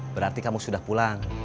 berarti kamu sudah pulang